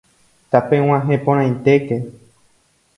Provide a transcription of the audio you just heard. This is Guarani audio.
Tapeg̃uahẽporãitéke